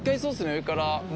上から。